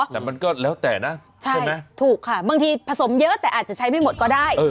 แต่มันก็แล้วแต่นะใช่ไหมถูกค่ะบางทีผสมเยอะแต่อาจจะใช้ไม่หมดก็ได้